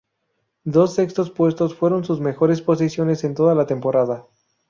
Dos sextos puestos fueron sus mejores posiciones en toda la temporada.